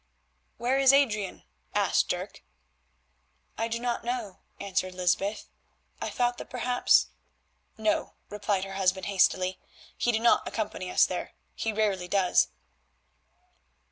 "Where is Adrian?" asked Dirk. "I do not know," answered Lysbeth. "I thought that perhaps——" "No," replied her husband hastily; "he did not accompany us; he rarely does."